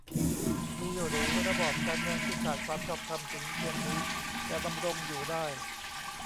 มีหรือ ระบอบการเมืองที่ขาดความชอบธรรมถึงเพียงนี้จะดำรงอยู่ได้